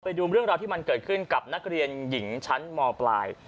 ไปดูเรื่องราวที่มันเกิดขึ้นกับนักเรียนหญิงชั้นมปลาย